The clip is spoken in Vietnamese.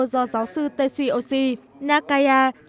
do giáo sư tetsuyoshi nakaya